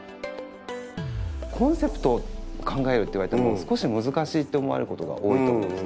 コンセプトを考えろって言われても少し難しいって思われることが多いと思うんですね。